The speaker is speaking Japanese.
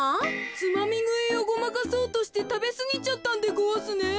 つまみぐいをごまかそうとしてたべすぎちゃったんでごわすね？